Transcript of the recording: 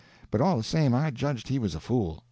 But all the same I judged he was a fool.